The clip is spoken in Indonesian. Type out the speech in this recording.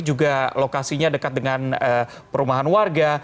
juga lokasinya dekat dengan perumahan warga